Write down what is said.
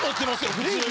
普通に。